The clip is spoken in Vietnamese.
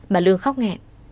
bà lương khóc nghẹn